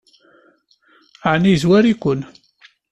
Ɛni yezwar-iken?